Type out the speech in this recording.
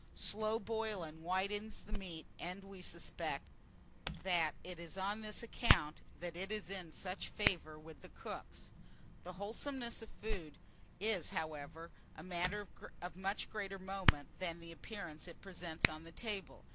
Slow boiling whitens the meat; and, we suspect, that it is on this account that it is in such favour with the cooks. The wholesomeness of food is, however, a matter of much greater moment than the appearance it presents on the table.